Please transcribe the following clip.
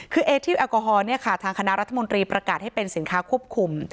คือเอทิลแอลกอฮอล์ทางคณะรัฐมนตรีประกาศให้เป็นสินค้าควบคุม